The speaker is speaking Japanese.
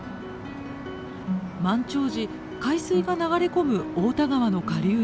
満潮時海水が流れ込む太田川の下流域。